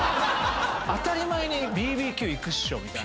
当たり前にＢＢＱ行くっしょみたいな。